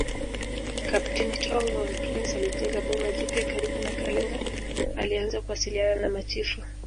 Kapteni Tom von Prince alijenga boma jipya karibu na Kalenga alianza kuwasiliana na machifu